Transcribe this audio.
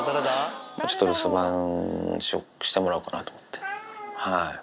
ちょっと留守番してもらおうかなと思って。